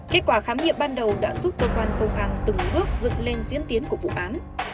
kết quả khám nghiệm ban đầu đã giúp cơ quan công an từng bước dựng lên diễn tiến của vụ án